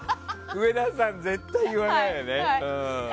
上田さんは絶対に言わないね。